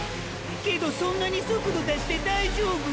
けどそんなに速度出して大丈夫？